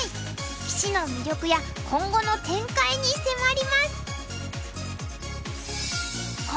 棋士の魅力や今後の展開に迫ります。